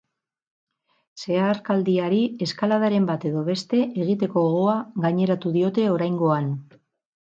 Zeharkaldiari eskaladaren bat edo beste egiteko gogoa gaineratu diote oraingoan.